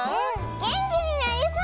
げんきになりそう！